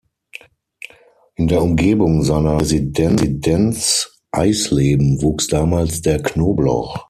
In der Umgebung seiner Residenz Eisleben wuchs damals der Knoblauch.